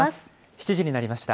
７時になりました。